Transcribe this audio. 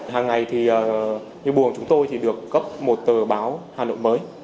hàng ngày thì buồng chúng tôi được cấp một tờ báo hà nội mới